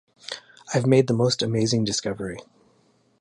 I've made the most amazing discovery!